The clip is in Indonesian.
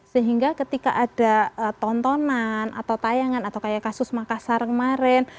sehingga ketika ada tontonan atau tayangan atau kayak kasus makassar kemarin